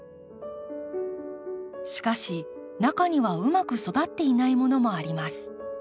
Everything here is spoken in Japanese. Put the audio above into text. しかし中にはうまく育っていないものもあります。